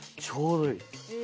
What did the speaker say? ちょうどいい。